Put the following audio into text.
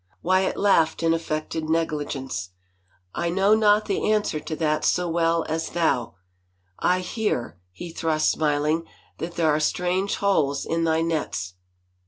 Wyatt laughed in affected n^ligence. " I know not the answer to that so well as thou. I hear," he thrust, smiling, " that there are strange holes in thy nets